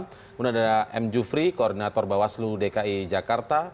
kemudian ada m jufri koordinator bawaslu dki jakarta